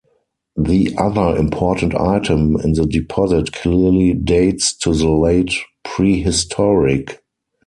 The other important item in the deposit clearly dates to the late prehistoric.